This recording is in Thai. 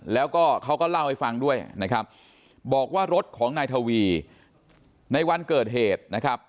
แล้วก็เขาก็เล่าให้ฟังด้วยนะครับบอกว่ารถของนายทวีในวันเกิดเหตุนะครับ